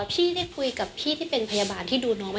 พี่ได้คุยกับพี่ที่เป็นพยาบาลที่ดูน้องไว้